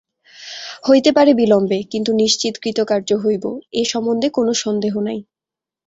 হইতে পারে বিলম্বে, কিন্তু নিশ্চিত কৃতকার্য হইব, এ সম্বন্ধে কোন সন্দেহ নাই।